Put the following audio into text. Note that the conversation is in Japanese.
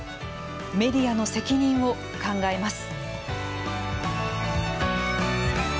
メディアの責任を考えます。